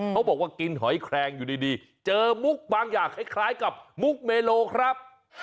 บอกว่ากินหอยแคลงอยู่ดีเจอมุกบางอย่างคล้ายกับมุกเมโลครับ